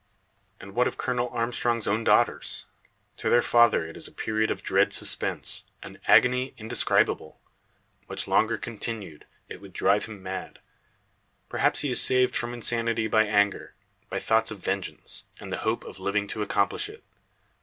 And what of Colonel Armstrong's own daughters? To their father it is a period of dread suspense an agony indescribable. Much longer continued it would drive him mad. Perhaps he is saved from insanity by anger by thoughts of vengeance, and the hope of living to accomplish it.